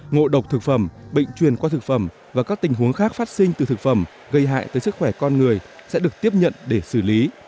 ngộ độc thực phẩm bệnh truyền qua thực phẩm và các tình huống khác phát sinh từ thực phẩm gây hại tới sức khỏe con người sẽ được tiếp nhận để xử lý